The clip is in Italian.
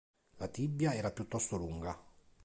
La tibia era piuttosto lunga.